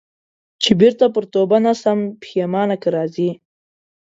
چي بیرته پر توبه نه سم پښېمانه که راځې